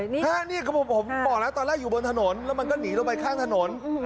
นี่ผมบอกแล้วตอนแรกอยู่บนถนนแล้วมันก็หนีลงไปข้างถนน